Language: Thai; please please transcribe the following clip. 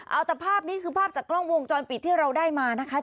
เอาแต่ภาพนี้คือภาพจากกล้องวงจรปิดที่เราได้มานะคะ